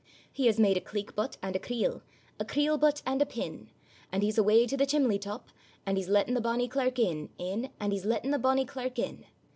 He has made a cleek but and a creel— A creel but and a pin; And he's away to the chimley top, And he's letten the bonny clerk in, in; And he's letten the bonny clerk in.